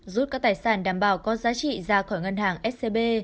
rút các tài sản đảm bảo có giá trị ra khỏi ngân hàng scb